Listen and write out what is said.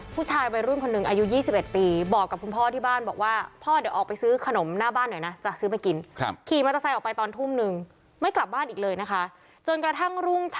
ผู้ชายรุ่นคนหนึ่งอายุ๒๑ปีบอกกับคุณพ่อที่บ้าน